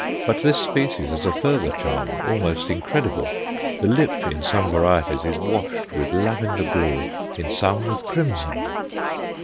But this species has a further charm, almost incredible. The lip in some varieties is washed with lavender blue, in some with crimson!